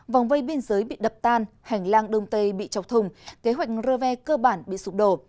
vòng vây biên giới bị đập tan hành lang đông tây bị chọc thùng kế hoạch rơ ve cơ bản bị sụp đổ